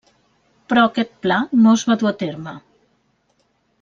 Però aquest pla no es va dur a terme.